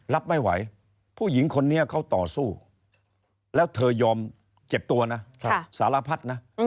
รับไม่ไหวผู้หญิงคนนี้เขาต่อสู้แล้วเธอยอมเจ็บตัวนะสารพัดนะ